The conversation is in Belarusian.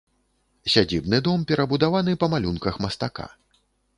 Сядзібны дом перабудаваны па малюнках мастака.